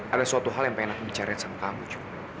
ada suatu hal yang pengen aku bicarain sama kamu juga